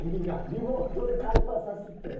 リモートで会話さすって。